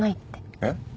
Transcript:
えっ？